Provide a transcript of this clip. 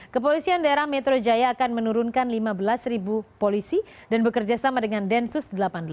kepolisian daerah metro jaya akan menurunkan lima belas polisi dan bekerja sama dengan densus delapan puluh delapan